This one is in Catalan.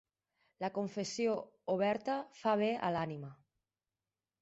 La confessió oberta fa bé a l'ànima.